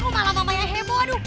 kok malah mama yang heboh aduh